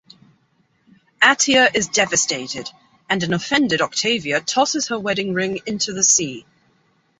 Atia is devastated, and an offended Octavia tosses her wedding ring into the sea.